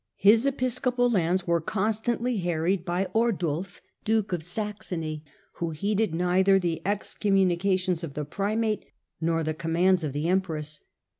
His episcopal lands were constantly harried by Ordulf, duke of Saxony, who heeded neither the ex communications of the primate nor the commands of the yGoogk 60 HiLDEBRAND empress.